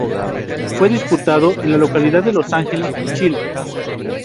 Fue disputado en la localidad de Los Ángeles, Chile.